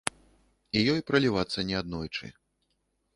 І ёй пралівацца неаднойчы.